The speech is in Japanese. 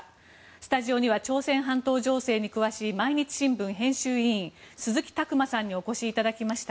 スタジオには朝鮮半島情勢に詳しい毎日新聞編集委員鈴木琢磨さんにお越しいただきました。